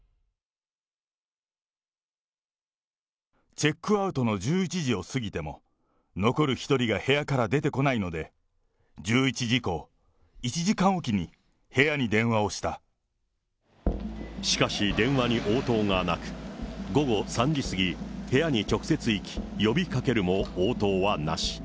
チェックアウトの１１時を過ぎても、残る１人が部屋から出てこないので、１１時以降、しかし、電話に応答がなく、午後３時過ぎ、部屋に直接行き、呼びかけるも応答はなし。